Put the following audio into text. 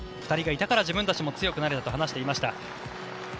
２人がいたから自分たちも強くなれたと話していました。